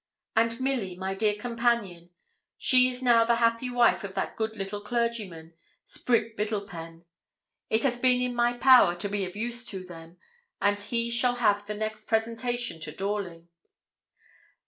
And Milly, my dear companion, she is now the happy wife of that good little clergyman, Sprigge Biddlepen. It has been in my power to be of use to them, and he shall have the next presentation to Dawling.